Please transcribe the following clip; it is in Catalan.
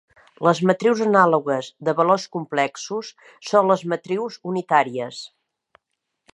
Les matrius anàlogues de valors complexos són les matrius unitàries.